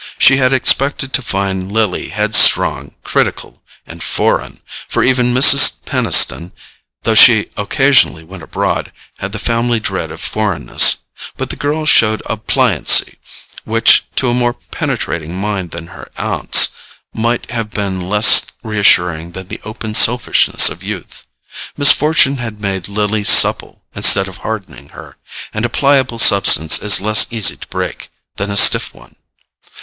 She had expected to find Lily headstrong, critical and "foreign"—for even Mrs. Peniston, though she occasionally went abroad, had the family dread of foreignness—but the girl showed a pliancy, which, to a more penetrating mind than her aunt's, might have been less reassuring than the open selfishness of youth. Misfortune had made Lily supple instead of hardening her, and a pliable substance is less easy to break than a stiff one.